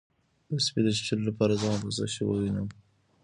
د سپي د چیچلو لپاره زخم په څه شی ووینځم؟